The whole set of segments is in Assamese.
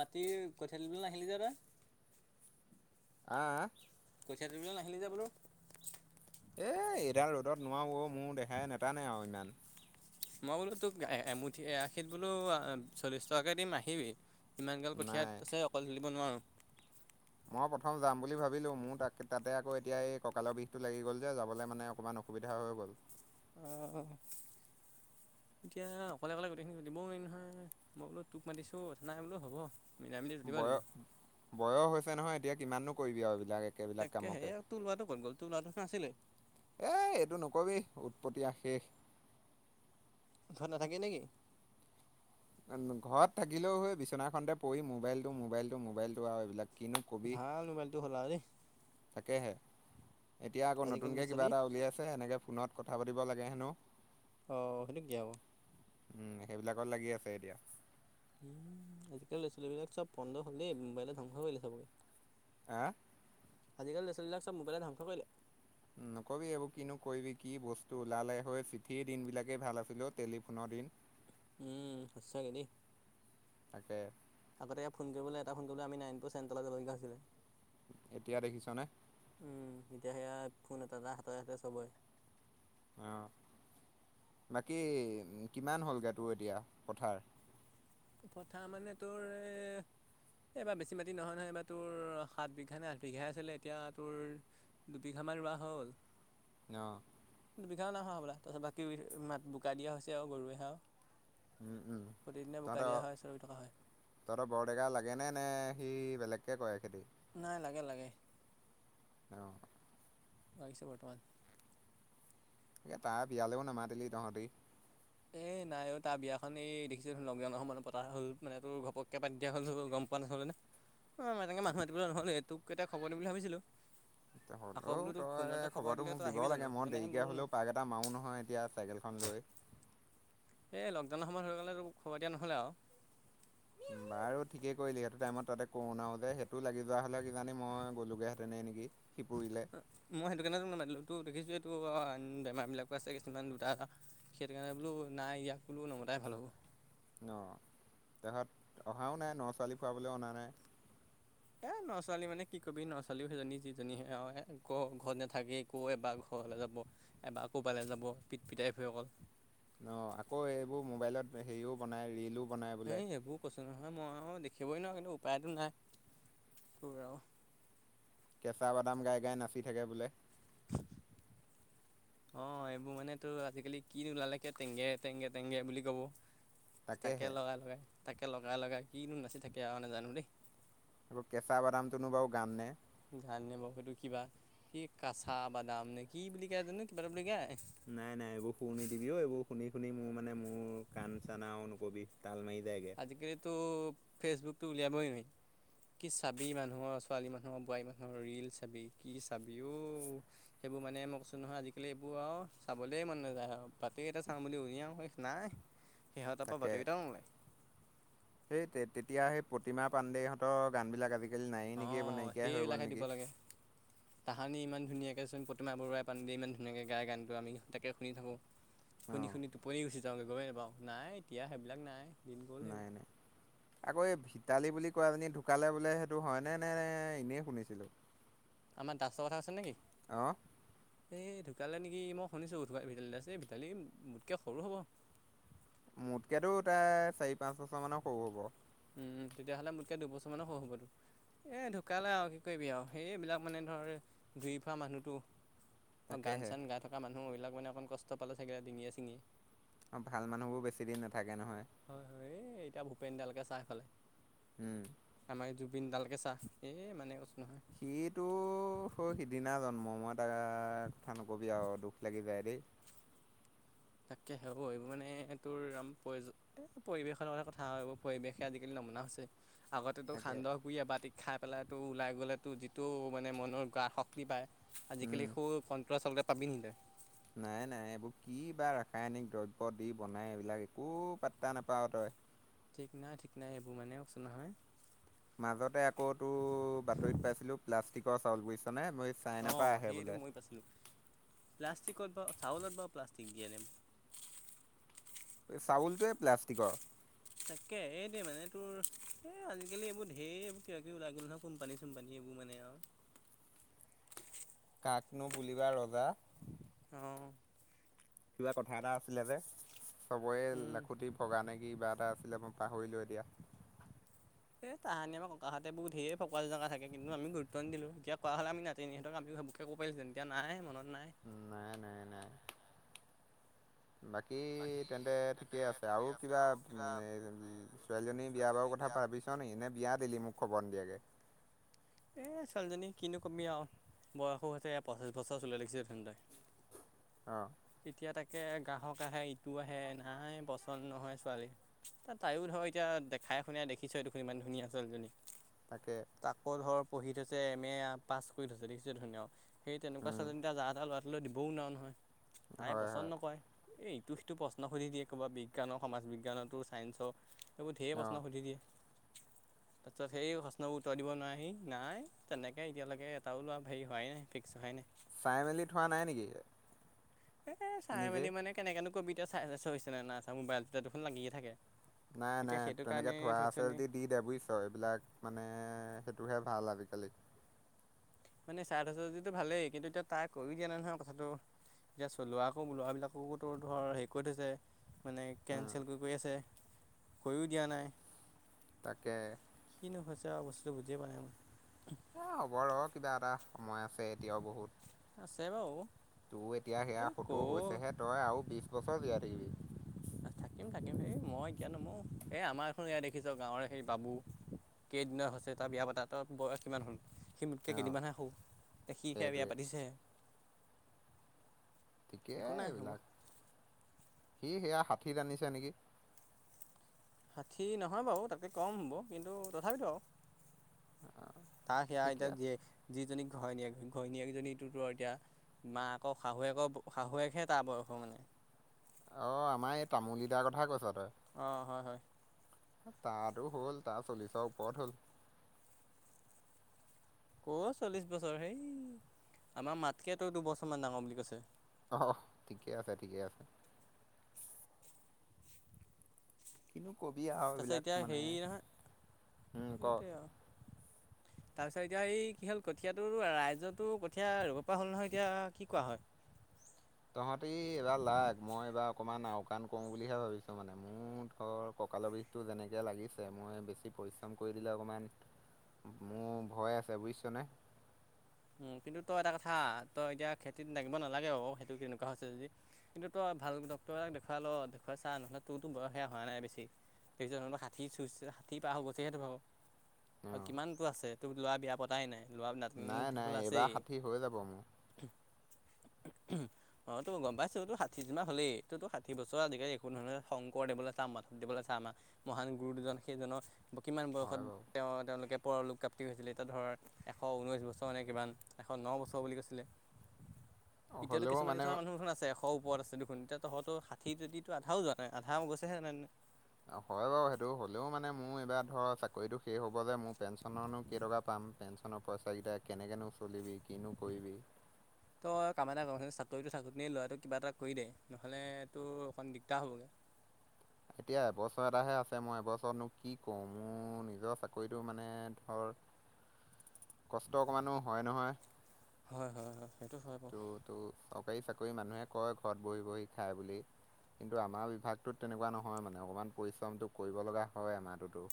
মাটিৰ কঠিয়া তুলিবলে নাহিলি যে তই? আ আ কঠিয়া তুলিলে নাহিলি যে বোলো। এ এডাল ৰ'দত নোৱাৰো মোৰ দেখাই নেতানে আৰু ইমান। মই বোলো তোক এমুঠি এ আশীত বোলো চল্লিছ টকাকৈ দিম আহিবি। ইমানগাল কঠিয়াত নাই আছে অকলে তুলিব নোৱাৰোঁ। মই প্ৰথম যাম বুলি ভাবিলো মোৰ তাক তাতে আকৌ এতিয়া এই কঁকালৰ বিষটো লাগি গ'ল যে যাবলৈ মানে অকণমান অসুবিধা হৈ গ'ল। আ হু এতিয়া অকলে অকলে গোটেইখিনি শুধিবও নোৱাৰিম নহয় মই বোলো অথ নাই বোলো হ'ব। মিলাই মিলি তুলিব বয় লাগিব বয়স হৈছে নহয় এতিয়া কিমাননো কৰিবি আৰু এইবিলাক এক তাকে হে সেইয়া তোৰ ল'ৰাটো ক'ত গ'ল তোৰ ল'ৰাটো আছিলেই। এই এইটো নকবি উৎপটীয়া শেষ। ঘৰত নাথাকে নেকি? [unintelligible] ঘৰত থাকিলেও হৈ বিচনাখনতে পৰি মোবাইল টো মোবাইল টো মোবাইল টো আৰু এইবিলাক কিনো কবি ভাল মোবাইলটো হ'ল আও দেই। তাকেহে এতিয়া আকৌ আজিকালি ল'ৰা নতুনকৈ কিবা ছোৱালী এটা উলিয়াই আছে এনেকৈ ফোনত কথা পাতিব লাগে হেনো। অ সেইটো কি আক উম সেইবিলাকত লাগি আছে এতিয়া উম আজিকালি ল'ৰা ছোৱালী বিলাক চব পন্দ হ'লে মোবাইলে ধ্বংস কৰিলে সবকে আহ আজিকালি ল'ৰা ছোৱালী বিলাক চব মোবাইলে ধংস কৰিলে। নকবি এইবোৰ কিনো কৰিবি কি বস্তু ওলালে হৈ চিঠিৰ দিন বিলাকেই ভাল আছিলে টেলিফোনৰ দিন। উম সচাকে দেই। তাকে। আগতে এয়া ফোন কৰিবলে এটা ফোন কৰিবলে আমি নাৰায়ণপুৰ চেণ্টাৰলে যাব লগীয়া হৈছিল। এতিয়া দেখিছনে? উম, এতিয়া সেয়া ফোন এটা -এটা হাতে- হাতে চবয়ে। অ বাকী কিমান হ'লগৈ তোৰ এতিয়া পথাৰ পথাৰ মানে তোৰ এ এইবাৰ বেছি মাটি নহয় নহয় এইবাৰ তোৰ সাত বিঘা নে আঠ বিঘাই আছিলে এতিয়া তোৰ দুবিঘামা ৰোৱা হ'ল। অ', দুবিঘাও নাই হোৱা হবলা তাৰছত বাকী বোকা দিয়া হৈছে আৰু গৰুৱে হে আৰু। উম উম। প্ৰতিদিনে বোকাই তহঁতৰ দিয়া হয় আছে ৰুই থকা হয়। তহঁতৰ বৰডেকা লাগেনে নে সি বেলেগকে কৰে খেতি? নাই লাগে- লাগে। [unintelligible] আহিছে বৰ্তমান। এ তাৰ বিয়ালেও নামাতিলি তহঁতি। এই নাই অ, তাৰ বিয়াখন এই দেখিছয়ে চোন লকডাউনৰ সময়ত পতা হ'ল মানে তোৰ ঘপ্পকে পতি দিয়া হ'ল' হৈ গ'ল গম [unintelligible] অ, এনেকে মানুহ মাতিবলে নহলে টোক এটা খবৰ দিম বুলি ভাবিছিলোঁ। আকৌ হ'লেও বোলো তোক ফোনতে তই খবৰ তো দিলে মোক তই দিব আহিবি জানো লাগে মই সেইকাৰণে দেৰিকে বোলো হ'লেও পাই যাম। এটা মাও নহয় এতিয়া চাইকেলখন লৈ। এই লকডাউনৰ সময় হৈ গ'লেতো খবৰ দিয়া নহ'লে আৰু। বাৰু ঠিকেই কৰিলি সেইতো টাইমত তাতে কৰোনাও যে সেইটো লাগি যোৱা হ'লে কিজানি মই গ'লোগেহেঁতেনই নেকি। সিপুৰিলে মই সেইটো কাৰণে তোক নামাতিলোঁ তো দেখিছোঁয়ে এইটো বেমাৰ বিলাকো আছে কিছুমান দুটা, এটা। সেইটো কাৰণে বোলো নাই ইয়াক বোলো নমতাই ভাল হ'ব। অ, দেহত অহাও নাই নৰা ছোৱালিক খুৱাবলে অনা নাই। এ নৰা ছোৱালী মানে কি কবি নৰা ছোৱালীও সেইজনী যিজনীহে আউ হে ঘৰত নাথাকে একৌ এবাৰ ঘৰলে যাব। এবাৰ ক'পালে যাব পিট পিটাই ফুৰে অকল। অ, আকৌ এইবোৰ মোবাইলত হেৰিও বনাই ৰিলো বনাই বোলে। কৈছিলোঁ নহয় মইওঁ দেখিবই নোৱাৰোঁ কিন্তু উপায়টো নাই টোৰ আৰু। কেঁচা বাদাম গাই -গাই নাচি থাকে বোলে? [inaudible] অ, এইবোৰ মানে তোৰ আজিকালি কি নুলালে একে টেংগে -টেংগে টঙগে বুলি কব। তাকে তাকেহে লগাই লগাই - তাকে লগাই লগাই কিনো নাচি থাকে আৱ নাজানো দেই। সেইবোৰ কেঁচা বাদাম তোনো বাৰু গান নে? গান নে বাৰু সেইটো কিবা কি কাচা বাদাম নে কি বুলি কয় জানো কিবা এটা বুলি গায়। নাই -নাই এইবোৰ শুৰ নিদিবিও এইবোৰ শুনি -শুনি মোৰ মানে মোৰ কাণ চান আৰু নকবি তাল মাৰি যায়গে। আজিকালিতো ফেচবুকতো উলিয়াবই নোৱাৰি। কি চাবি মানুহৰ ছোৱালী মানুহৰ বোৱাৰী মানুহৰ ৰিল চাবি কি চাবি অ। সেইবোৰ মানে মই কৈছোঁ নহয় আজিকালি এইবোৰ আৰু চাবলৈই মন নাযায় আৰু বাতৰি এটা চাওঁ বুলি উলিয়াওঁ শেষ নাই। সিহঁতৰ পৰা তাকে বাতী কেইটাও নোলাই। সেই তে তেতিয়া সেই প্ৰতিমা পাণ্ডেহঁতৰ গান বিলাক আজিকালি নায়েই নেকি এইবোৰ অঁ নাইকিয়াই হৈ গ'ল সেইবিলাকহে দিব নেকি? লাগে তাহানি ইমান ধুনীয়াকে চোন প্ৰতিমা বৰুৱাই পাণডে ইমান ধুনীয়াক গাই গানটো আমি তাকে শুনি থাকোঁ। অ শুনি-শুনি টোপনি গুচি যাওঁগে গমে নাপাওঁ নাই এতিয়া সেইবিলাক নাই। দিন গ'ল সেইবোৰ নাই-নাই। আকৌ এই ভিতালী বুলি কোৱাজনী ঢুকালে বোলে সেইটো হয়নে নে এনেই শুনিছিলোঁ? আমাৰ দাছৰ কথা আছে নেকি? অ এ ঢুকালে নেকি মই শুনিছোঁ ধুকা ভিতালী দাছ এ ভিতালী দাছ মোতকে সৰু হ'ব। মোতকেতো তাই চাৰি, পাঁচ বছৰ মানৰ সৰু হ'ব। উম, তেতিয়াহ'লে মোতকে দুবছৰ মানো সৰু হ'বটো। এ ঢুকালে আৰু কি কৰিবি আৰু সে এইবিলাক মানে ধৰ ধুই ফুৱা মানুহটো। অ গান তাকেহে চান গাই থকা মানুহ এইবিলাক মানে অকণ কষ্ট পালে চাগে ডিঙীয়ে চিঙিয়ে অ, ভাল মানুহবোৰ বেছি দিন নাথাকে নহয়। হয়, হয় এই এতিয়া ভূপেন দালকে চা সিফালে। উম, আমাৰ এই জুবিন ডালকে চা এই মানে কছো নহয়। সিটো হয় সৌ সিদিনা জন্ম হোৱা তাৰ কথা নকবি আৰু দুখ লাগি যায় দেই। তকে সেবোৰ এৰিবনে তোৰ আম প্ৰয়ো এ পৰিৱেশৰ লগতে কথা আও পৰিৱেশে আজিকালি নমুনা হৈছে আগতেটো তাকে সান্দহ গুৰি এবাতি খাই পেলাইতো ওলাই গ'লেতো যিটো মানে মনৰ গা শক্তি পায়, উম আজিকালি সুৰ কণতো আচলতে চাবি নিলে। নাই-নাই এইবোৰ কি বা ৰাসায়নিক দ্ৰব্য দি বনাই এইবিলাক একো পাত্তা নাপাাৱ তই। ঠিক নাই ঠিক নাই এইবোৰ মানে কৈছো নহয়। মাজতে আকৌ তোৰ বাতৰিত পাইছিলো প্লাষ্টিকৰ চাউল, বুইছনে? মই চাইনাৰ পৰা অ', আহে সেইটো বোলে মই পাইছিলো। প্লাষ্টিকত বাও চাউলত বাও প্লাষ্টিক দিয়ে নে? এ চাউলটোৱে প্লাষ্টিকৰ। তাকে এই দিয়ে মানে তোৰ এ আজিকালি এইবোৰ ধেৰ কিবা কিব ওলাই গ'ল নহয়। কোম্পানী-চোম্পানী এইবোৰ মানে আও কাকনো বুলিবা ৰজা? অ'। কিবা কথা এটা আছিলে যে, চবৰে উম। লাখুটি ভগা নে কি কিবা এটা আছিলে পাহৰিলো এতিয়া। এ তাহানি আমা ককাহঁতে বহুত ধেৰ কপাল জগা থাকে কিন্তু আমি গুৰুত্ব নিদিলো। এতিয়া কোৱা হ'লে আমিও নাতিনী হতক আমিও সেইবোৰ কব পাৰিছেনে এতিয়া নাই মনত নাই। নাই-নাই-নাই। বাকী তেন্তে ঠিকে আছে আৰু কিবা ছোৱালীজনী বিয়া বাৰু কথা ভাবিছ নিকি নে বিয়া দিলি মোক খবৰ নিদিয়াকে। এ ছোৱালীজনী কিনো কবি আও বয়সো হৈছে পঁচিছ বছৰ চলিছে দেখোন তাই [inaudible] অ। এতিয়া তাকে গ্ৰাহক আহে ইটো আহে নাই পচন্দ নহয় ছোৱালীৰ। ত তাইও ধৰক এতিয়া দেখাই শুনাই দেখিছই দেখোন ইমান ধুনীয়া ছোৱালীজনী। তাকে। আক ধৰ পঢ়ি থৈছে এম এ পাছ কৰি থৈছে দেখিছে ধুনীয়াও। সেই তেনেকোৱা উম ছোৱালজনীটা যা তা ল'ৰা লৈ দিবও নোৱাৰো নহয়, তাই হয় পচন্দ হয় নকৰে। এ ইটো সিটো প্ৰশ্ন সুধি দিয়ে, ক'ৰবা বিজ্ঞানৰ সমাজ বিজ্ঞানতো ছাইঞ্চৰ সেইবোৰ ঢেৰ প্ৰশ্ন অঁ। সুধি দিয়ে। তাৰপিছত সেই প্ৰশ্নবোৰ উত্তৰ দিব নোৱাৰে। এই নাই তেনেকে এতিয়ালৈকে এটাও লোৱা হেৰি হোৱাই নাই ফিক্স হোৱাই নাই। চাই মেলি থোৱা নাই নেকি? এ চাই নিজে? মেলি মানে কেনেকেনো কবিতা চাই থৈছে নাই নাই থোৱা মোবাইলটোতে দেখুন লাগিয়ে থাকে। নাই এতিয়া নাই সেইটো তেনেকে কাৰণে থোৱা ধৰিছোঁ আছে নি যদি দি দে বুজিছ। ত এইবিলাক মানে সেইটোহে ভাল আজিকালি। মানে চাই থৈছে যদিটো ভালেই কিন্তু এতিয়া তাই কৈও দিয়া নাই নহয় কথাটো। এতিয়া চলোৱাকো লৰা বিলাককোতো ধৰ হেৰি কৰি থৈছে। মানে উম কেনঞ্চেল কৰি কৰি আছে কৈও দিয়া নাই। তাকে। কিনো হৈছে আও বস্তু বুজিয়ে পোৱা নাই মই এ হ'ব ৰ কিবা এটা সময় আছে এতিয়াও বহুত। আছে বাও। তোৰ এতিয়া সেয়া সতৌ হৈছেহে তই আৰু বিশ বছৰ জীয়াই থাকিবি। থাকিম থাকিম হে মই এতিয়া নমও এই আমাৰ এখন এয়া দেখিছ গাঁৱৰে সেই বাবু। কেইদিনা হৈছে তাৰ বিয়া পাতা তাৰ বয়স কিমান হল। সি মোতকে অ কেইদিনমানহে সৰু সি এতিয়া বিয়া সেইটোৱে পাতিছেহে। একো ঠিকেই নাই হ'ব এইবিলাক সি সেয়া ষাঠিত আনিছে নেকি। ষাঠি নহয় বাও তাতকে কম হ'ব কিন্তু তথাপিতো আও। তাৰ সেয়া এতিয়া ঠিকে আছে জীয়েক ডাঙৰ য যিজনী ঘৈণীয়েক ঘৈণীয়েকেইজনীটোতো এতিয়া। মাক শাহুৱেকৌ শাহুৱেকহে তাৰ বয়সৰ মানে। অঁ আমাৰ এই তামোলী দাৰ কথা কৈছ তই। অ হয় হয়। তাতো হ'ল তাৰ চল্লিছৰ ওপৰত হ'ল। ক' চল্লিছ বছৰ হেই আমাৰ মাতকেতো দুবছৰমান ডাঙৰ বুলি কৈছে। অ ঠিকে আছে ঠিকে আছে। কিনো কবি আও। তাৰপিছত এতিয়া হেৰি নহয় উম ক সেটোৱে আও। তাৰপিছত এতিয়া এই কি হ'ল কঠীয়াটো ৰাইজৰতো কঠীয়া 'ৰুব পৰা হ'ল নহয় এতিয়া কি কোৱা হয়। তহঁতি এইবাৰ লাগ মই এইবাৰ অকণমান আওকাণ কৰো বুলিহে ভাবিছোঁ মানে মোৰ ধৰ। কঁকাল বিষটো যেনেকৈ লাগিছে মই বেছি পৰিশ্ৰম কৰি দিলে অকণমান। মোৰ ভয় আছে বুজিছনে। উম কিন্তু তই এটা কথা তই এতিয়া খেতিত নাগিব নালাগে আক সেইটো এনেকুৱা হৈছে যদি। কিন্তু তই ভাল ডাক্তৰক দেখুৱাই ল' দেখুৱাই চা নহলে তোৰত বয়সেয়া হোৱা নাই বেছি। এইয়ে তেওঁলোকৰ ষাঠি চুইছে ষাঠি পাৰ হৈ গৈছে ধৰ আৰু অ কিমানতটো আছে তোক লৰা বিয়া পতাই নাই লৰা নাটি মোখ নাই নাই দেখিবলৈ এইবাৰ আছেই। ষাঠি হৈ যাব মোৰ [unintelligible] অ ত গম পাইছো তোৰ ষাঠি যিনিবা হলেই ত টো ষাঠি বছৰ আজিকালি একো নহয় নহয় শংকৰ দেবলৈ চা মাধব দেবলৈ চা আমাৰ। মহান গুৰু দুজন সেইজন। কিমান হয় বয়সত বাৰু তেওঁ তেওঁলোকে পৰলোকপাপ্তি হৈছিলে এতিয়া ধৰ এশ ঊনৈছ বছৰ বৰ এনে কিমান এশ ন বছৰ বুলি কৈছিলে এতিয়াতো হ'লেও কিছুমান মানে কিছুমান মানুহচোন আছে এ শ ওপৰত আছে দেখোন এতিয়া তহঁৰ ষাঠি যদি আধাও যোৱা নাই আধা মান গৈছেহে যেনে তেনে হয় বাৰু সেইটো হ'লেও মানে মোৰ এইবাৰ ধৰ চাকৰিটো শেষ হ'ব যে মোৰ পেঞ্চনো কেইটকা পাম পেঞ্চনৰ পইচাকেইটা কেনেকেনো চলিবি কিনো কৰিবি তই কাম এটা কম চাকৰিতটো থাকোতে ল'ৰাটো কিবা এটা কৰি দে নহলে তোৰ অকণ দিগদাৰ হ'বগে। এতিয়া এবছৰ এটাহে আছে মই এবছনো কি কওঁ মোৰ নিজৰ চাকৰিটো মানে ধৰ। [unintelligible] কষ্ট অকমানো হয় নহয়। হয় হয় হয় সেইটো হয় বাৰু। ত' চৰকাৰী চাকৰি মানুহে কয় ঘৰত বহি বহি খায় বুলি। কিন্তু আমাৰ বিভাগটোত তেনেকুৱা নহয় মানে অকণমান পৰিশ্ৰমটো কৰিবলগা হয় আমাৰটোতো।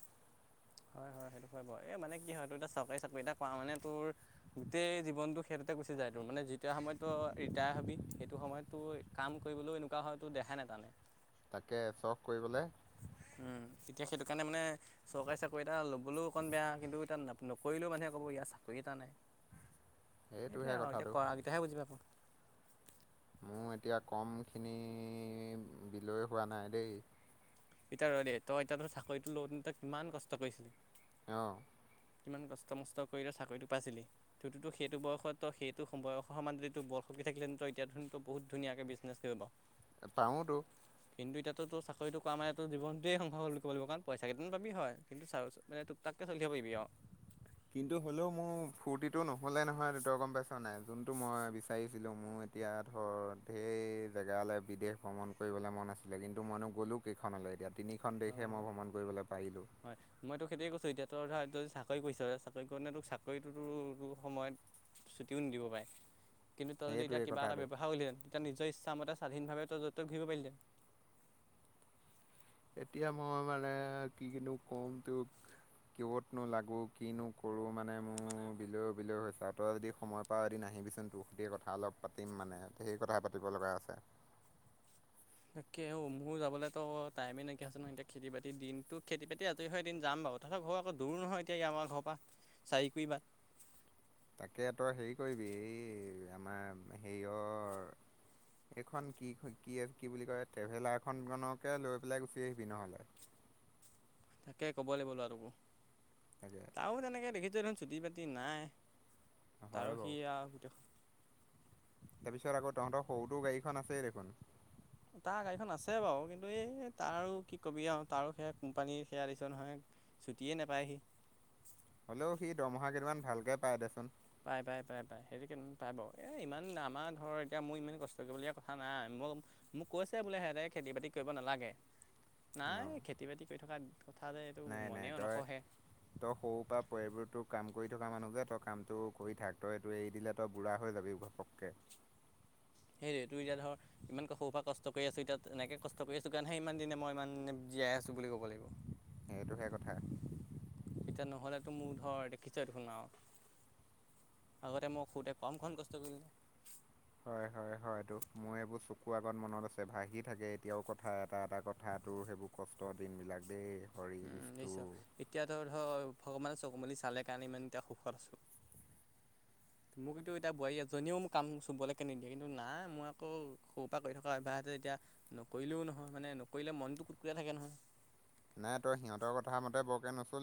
হয় হয় সেইটো হয় বাৰু এই মানে কি হয় তোৰ এ চৰকাৰী চাকৰি এটা পোৱা মানে তোৰ। গোটেই জীৱনতটো সেইতোতে গুচি যায় তোৰ মানে যেতিয়া সময়তো ৰিটায়াৰ হবি সেইটো সময়ত। তো কাম কৰিবলৈও এনেকুৱা হয় তোৰ দেহাই নেতানে তাকে চখ কৰিবলে উম এতিয়া সেইটো কাৰণে মানে চৰকাৰী চাকৰি এটা লবলৈও অকণ বেয়া কিন্তু এতিয়া নকৰিলেও মানুহে ক'ব ইয়াৰ চাকৰি এটা নাই সেইটোহে এয়া আৰু এতিয়া কথাটো কৰাকেইটাহে বুজি পাব মোৰ এতিয়া কমখিনি বিলৈ হোৱা নাই দেই এতিয়া ৰ দেই তই এতিয়া ধৰ চাকৰিটো লওতে তই কিমান কষ্ট কৰিছিলি। অ কিমান কষ্ট মষ্ট কৰি এতিয়া চাকৰিটো পাইছিলি, ততো সেইটো বয়সত সেইটো বয়সৰ সমান যদি টোৰ বল শক্তি থাকিলে হেতিন এতিয়া বহুত ধুনীয়াকে বিজ বিজনেছ কৰিব পাৱ। পাওটো কিন্তু এতিয়াতো চাকৰিটো কমাৰো জীৱনটোৱে অন্ধ হল বুলি কব লাগিব কাৰণ পইচা কেইটামান পাবি হয় কিন্তু চ টোক তাক কে চলি থাকিব পাৰিবি আও। কিন্তু হ'লেও মোৰ ফূৰ্তিটো নহ'লে নহয় ত গম পাইছ নাই যোনটো মই বিচাৰিছিলো মোৰ এতিয়া ধৰ ঢেৰ জেগালৈ বিদেশ ভ্ৰমণ কৰিবলৈ মন আছিলে কিন্তু মইনো গ'লো। কেইখনলৈ এতিয়া তিনিখন দেশহে মই ভ্ৰমণ কৰিবলৈ পাৰিলোঁ। হয় মই তোক সেইটোৱে কৈছো এতিয়া তই ধৰা চাকৰি কৰিছ চাকৰি কৰি তোক চাকৰিটো টো সময়ত ছুটিও নিদিব পাৰে। কিন্তু তই যদি এতিয়া সেইটোৱেই কিবা এটা কথাটো ব্যৱসায় কৰিলি হেতেন তেতিয়া নিজৰ ইচ্ছা মতে স্বাধীনভাৱে তই যত তত ঘূৰিব পাৰিলি হেতেন। এতিয়া মই মানে কি নো কম তোক। কি ব'ৰ্ডনো লাগো কিনো কৰো মানে মোৰ বিলৈ বিলৈ হৈছে আৰু তই যদি সময় পাঅ এদিন আহিবিচোন তোৰ সৈতে কথা অলপ পাতিম মানে সেই কথা পাতিব লগা আছে। তাকে অ, মোৰ যাবলৈতো টাইমেই নাইকিয়া হৈছে নহয় এতিয়া খেতি বাতি দিনতটো খেতি বাতি আজৰি হয় দিন যাম বাৰু। তহঁতৰ ঘৰ আকৌ দূৰ নহয় এতিয়া আমাৰ ঘৰ পৰা চাৰিকুৰি বাট তাকে তই হেৰি কৰিবি এই আমাৰ হেৰিয়ৰ এইখন কি- কি -কি বুলি কয় ট্ৰেভেলাৰ খনকে লৈ পেলাই গুচি আহিবি নহলে। তাকে ক'ব লাগিব লৰাটোক। তাকে আৰু তেনেকৈ দেখিছই দেখোন চুটি বাতি নাই হয় তাৰ বাৰু সি আৰু গোটেই তাৰপিছত আকৌ তহঁৰ সৰুটো গাড়ীখন আছেই দেখোন। তাৰ গাড়ীখন আছে বাৰু কিন্তু এই তাৰো কি কবি আৰু তাৰো সেয়া কোম্পানী সেয়া দেখিছ নহয়। ছুটিয়ে নেপায় সি। হ'লেও সি দৰমহা কেইদিনমান ভালকে পায় দেচোন। পাই - পাই - পাই - পাই সেইটো কে পায় বাৰু এই ইমান আমাৰ ধৰক এতিয়া মোৰ ইমান কষ্ট কৰিবলগীয়া কথা নাই মই মোক কৈছে বোলে সিহঁতে খেতি বাতি কৰিব নালাগে নাই অ খেতি বাতি কৰি থকা কথা যে এইটো নাই - নাই মনেও তই নখহে তই সৰু পৰা পৰি এইবোৰতো কাম কৰি থকা মানুহ যে তই কামটো কৰি থাক তই এইটো এৰি দিলে তই বুঢ়া হৈ যাবি। অকে। সেইটো এতিয়া ধৰ ইমান সৰু পৰাৰা কষ্ট কৰি আছো ইতিয়া এনেকে কষ্ট কৰি আছো কাৰণেহে ইমান দিনে মই ইমান জীয়াই আছো বুলি কব লাগিব। সেইটোহে কথা। এতিয়া নহলেতো মোৰ ধৰ দেখিছই দেখোন আৰু আগতে মই সৰুতে কম খন কষ্ট কৰিলো নে। হয়-হয়-হয়। হয়টো মোৰ এইবোৰ চকুৰ আগত মনত আছে ভাহি থাকে এতিয়াও কথা এটা - এটা কথা তোৰ সেইবোৰ কষ্টৰ দিনবিলাক দেই। হৰি উম, বিষ্ণু এইছ এতিয়া ধ ধৰ ভগৱানৰ চকু মেলি চালে কাৰণে ইমান এতিয়া সুখত আছো। মোক কিন্তু এতিয়া বোৱাৰী এজনীও মোক কাম চুবলৈকে নিদিয়ে কিন্তু নাই মই আকৌ সৰুৰ পৰা কৰি থকা অভ্যাহ আছে এতিয়া নকৰিলেও নহয় মানে নকৰিলে মনতটো কুটকুটাই থাকে নহয়। নাই তই সিহঁতৰ কথা মতে বৰকে নচলিবি।